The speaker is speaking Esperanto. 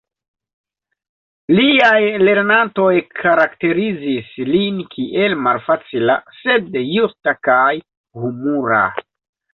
Liaj lernantoj karakterizis lin kiel "malfacila, sed justa kaj humura.